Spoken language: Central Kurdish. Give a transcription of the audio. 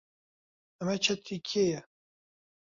ئەمە چەتری کێیە؟